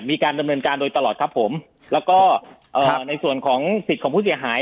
มีการดำเนินการโดยตลอดครับผมแล้วก็เอ่อในส่วนของสิทธิ์ของผู้เสียหาย